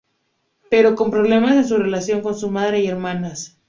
Pero con problemas en su relación con su madre y hermanas.